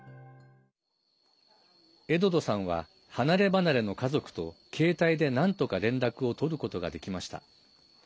エドドさんは、離れ離れの家族と携帯で、なんとか連絡をとることができました。